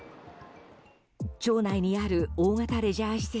町内にある大型レジャー施設